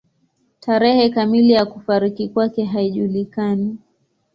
Tarehe kamili ya kufariki kwake haijulikani.